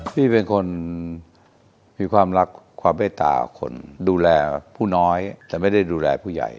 พี่เป็นคนมีความรักความเมตตาคนดูแลผู้น้อยแต่ไม่ได้ดูแลผู้ใหญ่